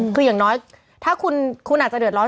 คืออย่างน้อยถ้าคุณอาจจะเดือดร้อน